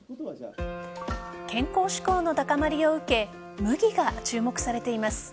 健康志向の高まりを受け麦が注目されています。